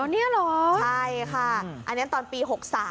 นี่เหรอใช่ค่ะอันนั้นตอนปี๖๓